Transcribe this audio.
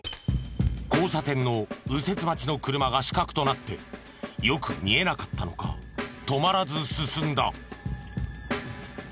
交差点の右折待ちの車が死角となってよく見えなかったのか止まらず進んだ。